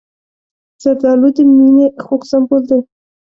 زردالو د مینې خوږ سمبول دی.